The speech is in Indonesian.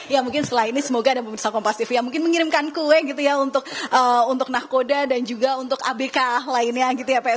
ya mungkin setelah ini semoga ada pemirsa kompastif ya mungkin mengirimkan kue gitu ya untuk nahkoda dan juga untuk abk lainnya gitu ya pak ya